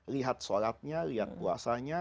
lihat sholatnya lihat puasanya